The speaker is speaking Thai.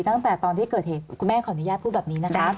ตั้งแต่ตอนที่เกิดเหตุคุณแม่ขออนุญาตพูดแบบนี้นะคะ